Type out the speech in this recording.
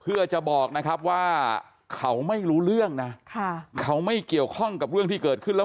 เพื่อจะบอกนะครับว่าเขาไม่รู้เรื่องนะเขาไม่เกี่ยวข้องกับเรื่องที่เกิดขึ้นแล้ว